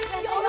ibu bangun bu